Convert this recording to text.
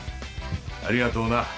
ありがとうな。